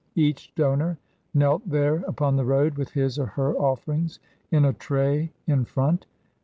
Each donor knelt there upon the road with his or her offerings in a tray in front.